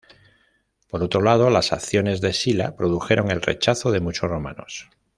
Por otro lado, las acciones de Sila produjeron el rechazo de muchos romanos.